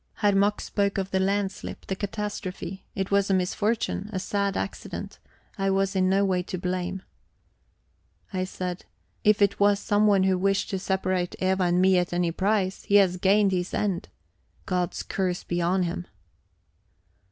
Herr Mack spoke of the landslip, the catastrophe. It was a misfortune, a sad accident; I was in no way to blame. I said: "If it was someone who wished to separate Eva and me at any price, he has gained his end. God's curse be on him!"